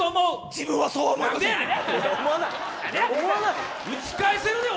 自分はそうは思いません！